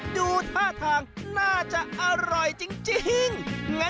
ดูท่าทางน่าจะอร่อยจริง